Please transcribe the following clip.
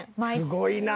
すごいな！